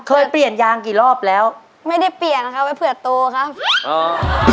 เคยเปลี่ยนยางกี่รอบแล้วไม่ได้เปลี่ยนครับไว้เผื่อโตครับอ๋อ